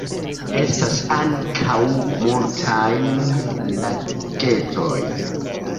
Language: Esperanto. Estas ankaŭ multajn lagetoj.